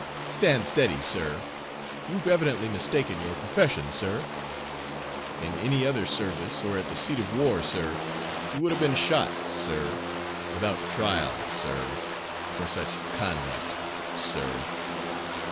Stand steady, sir. You've evidently mistaken your profession, sir. In any other service, or at the seat of war, sir, you would have been shot, sir, without trial, sir, for such conduct, sir."